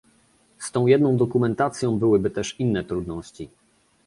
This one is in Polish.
Z tą jedną dokumentacją były też inne trudności